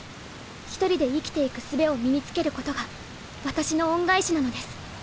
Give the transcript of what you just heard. １人で生きていくすべを身に付けることが私の恩返しなのです。